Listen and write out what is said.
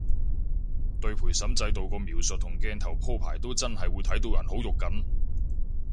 對陪審制度個描述同鏡頭鋪排都真係會睇到人好肉緊